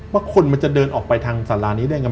ว่าคนมันจะเดินออกไปทางสารานี้ได้ไง